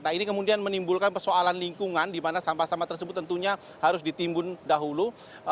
nah ini kemudian menimbulkan persoalan lingkungan di mana sampah sampah tersebut tentunya harus ditimbun dahulu